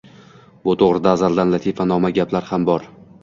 Bu to`g`rida azaldan latifanamo gaplar ham bor